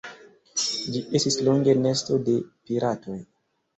Ĝi estis longe nesto de piratoj.